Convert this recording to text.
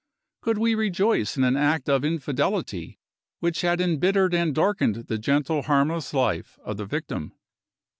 Could we rejoice in an act of infidelity which had embittered and darkened the gentle harmless life of the victim?